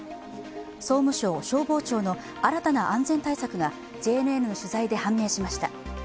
総務省、消防庁の新たな安全対策がＪＮＮの取材で明らかになりました。